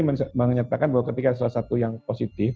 skb empat menteri menyatakan bahwa ketika ada salah satu yang positif